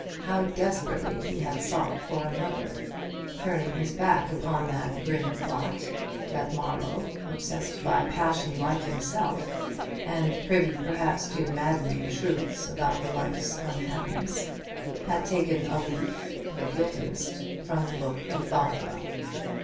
How desperately he had sought for another, turning his back upon that grim thought, that Marlowe obsessed by passion like himself, and privy perhaps to maddening truths about the wife's unhappiness had taken a leaf, the guiltiest, from the book of Bothwell.